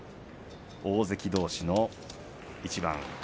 大関どうしの一番です。